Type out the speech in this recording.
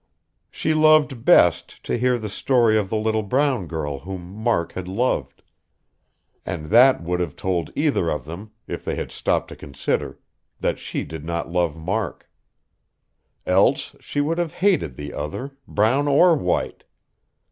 She loved best to hear of the little brown girl whom Mark had loved; and that would have told either of them, if they had stopped to consider, that she did not love Mark. Else she would have hated the other, brown or white....